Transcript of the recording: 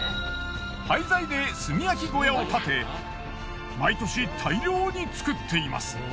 廃材で炭焼き小屋を建て毎年大量に作っています。